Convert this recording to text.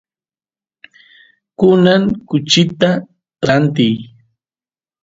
kunan kuchista rantiy